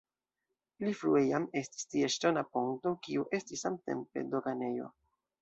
Pli frue jam estis tie ŝtona ponto, kiu estis samtempe doganejo.